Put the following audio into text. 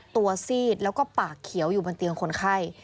ซีดแล้วก็ปากเขียวอยู่บนเตียงคนไข้